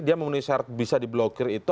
dia memenuhi syarat bisa diblokir itu